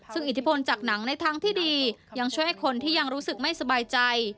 ซึ่งอิทธิพลจากหนังในทางที่ดียังช่วยให้คนที่ยังรู้สึกไม่สบายใจ